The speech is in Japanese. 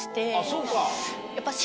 そうか。